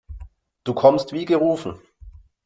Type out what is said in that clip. Du kommst wie gerufen.